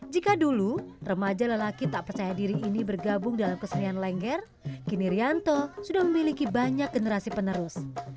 jika dulu remaja lelaki tak percaya diri ini bergabung dalam kesenian lengger kini rianto sudah memiliki banyak generasi penerus